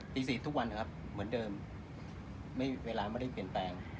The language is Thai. ตี๔ทุกวันครับเหมือนเดิมเวลาไม่ได้เปลี่ยนแปลง